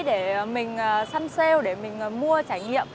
để mình săn sale để mình mua trải nghiệm